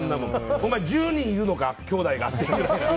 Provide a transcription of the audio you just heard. お前、１０人いるのかきょうだいがって。